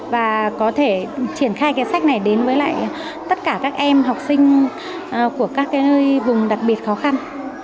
và có thể triển khai cái sách này đến với lại tất cả các em học sinh của các vùng đặc biệt khó khăn